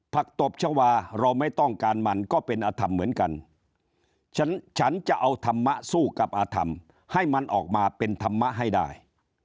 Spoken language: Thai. ตบชาวาเราไม่ต้องการมันก็เป็นอธรรมเหมือนกันฉันจะเอาธรรมะสู้กับอาธรรมให้มันออกมาเป็นธรรมะให้ได้